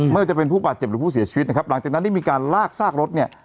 ไม่ว่าจะเป็นผู้บาดเจ็บหรือผู้เสียชีวิตนะครับหลังจากนั้นได้มีการลากซากรถเนี่ย